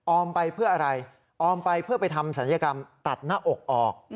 อมไปเพื่ออะไรออมไปเพื่อไปทำศัลยกรรมตัดหน้าอกออก